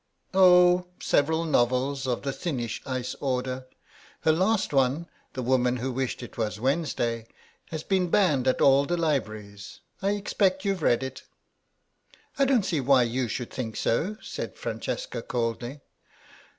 "Oh, several novels of the thinnish ice order. Her last one, 'The Woman who wished it was Wednesday,' has been banned at all the libraries. I expect you've read it." "I don't see why you should think so," said Francesca, coldly.